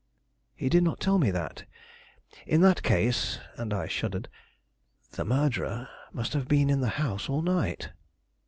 "He did not tell me that. In that case" and I shuddered "the murderer must have been in the house all night."